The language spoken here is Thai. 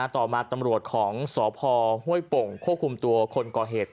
ต่อมาตำรวจของสพห้วยโป่งควบคุมตัวคนก่อเหตุ